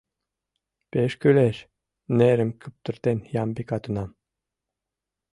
Пеш кӱлеш! — нерым куптыртен Ямбика тунам.